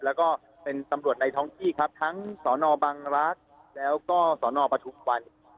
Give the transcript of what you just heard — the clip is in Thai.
แล้วก็เป็นตำรวจในท้องที่ครับทั้งสนบังรักษ์แล้วก็สนปฐุมวัน